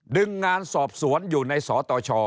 ดึงงานสอบสวนอยู่ในสอต่อช่อ